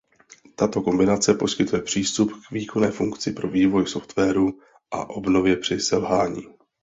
Tato kombinace poskytuje přístup k výkonné funkci pro vývoj softwaru a obnově při selhání.